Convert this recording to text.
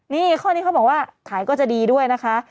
นี่ข้อนี้เขาบอกว่าขายก็จะดีด้วยนะคะ